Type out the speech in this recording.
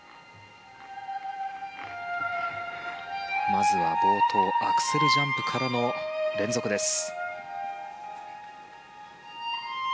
まずは冒頭アクセルジャンプからの連続です。